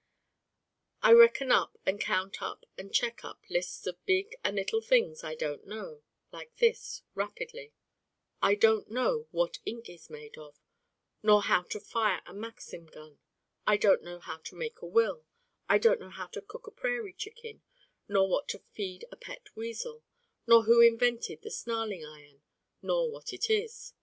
I reckon up and count up and check up lists of big and little things I Don't Know like this, rapidly: I Don't Know what ink is made of, nor how to fire a Maxim gun: I don't know how to make a will: I don't know how to cook a prairie chicken, nor what to feed a pet weasel, nor who invented the snarling iron, nor what it is.